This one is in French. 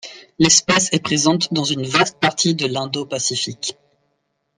L'espèce est présente dans une vaste partie de l'Indo-Pacifique.